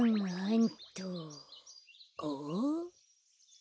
ん？